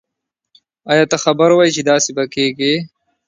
آیا ته خبر وی چې داسي به کیږی